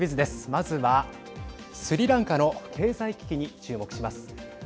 まずはスリランカの経済危機に注目します。